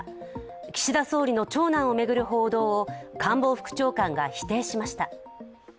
岸田総理の長男を巡る報道を官房副長官が否定しました。